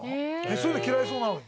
そういうの嫌いそうなのに。